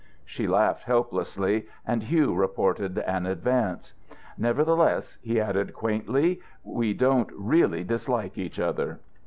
She laughed helplessly, and Hugh reported an advance. "Nevertheless," he added quaintly, "we don't really dislike each other."